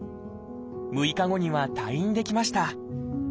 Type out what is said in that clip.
６日後には退院できました